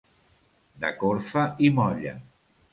De corfa i molla.